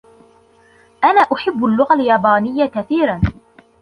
أنا أحب اللغة اليابانية كثيراً.